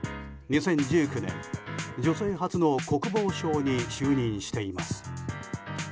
２０１９年、女性初の国防相に就任しています。